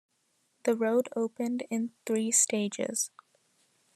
The road opened in three stages.